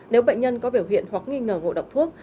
nếu bệnh nhân có biểu hiện hoặc nghi ngờ ngộ độc thuốc